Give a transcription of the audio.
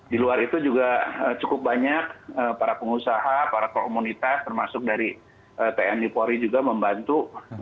di luar itu juga cukup banyak para pengusaha para komunitas termasuk dari tni polri juga membantu